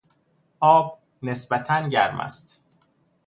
آب نسبتا گرم است.